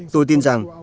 tôi tin rằng